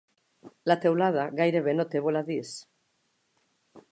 La teulada gairebé no té voladís.